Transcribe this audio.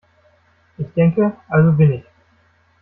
Ich denke, also bin ich.